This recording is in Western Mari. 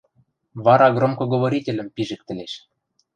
Вара громкоговорительӹм пижӹктӹлеш.